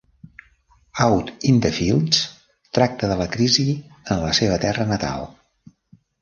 "Out in the Fields" tracta de la crisi a la seva terra natal.